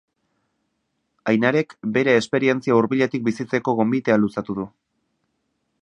Ainarek bere esperientzia hurbiletik bizitzeko gonbitea luzatzen du.